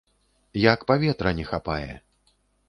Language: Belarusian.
Як паветра не хапае.